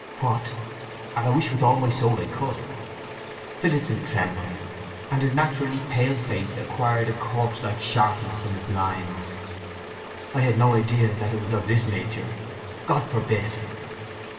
"What!" "And I wish with all my soul I could!" Phillotson trembled, and his naturally pale face acquired a corpselike sharpness in its lines. "I had no idea that it was of this nature! God forbid!"